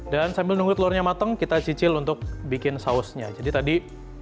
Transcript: dan sambil nunggu telurnya mateng kita cicil untuk bikin sausnya jadi tadi